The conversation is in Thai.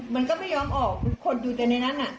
มันก็ไม่ยอมออกคนอยู่ในนั้นน่ะ